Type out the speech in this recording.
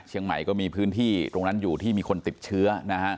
เชียงใหม่ก็มีพื้นที่ตรงนั้นอยู่ที่มีคนติดเชื้อนะฮะ